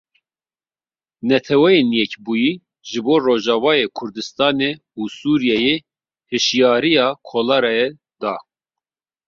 Netewên Yekbûyî ji bo Rojavayê Kurdistanê û Sûriyeyê hişyariya kolerayê da.